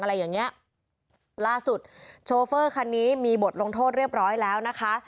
อะไรอย่างเงี้ยล่าสุดโชเฟอร์คันนี้มีบทลงโทษเรียบร้อยแล้วนะคะ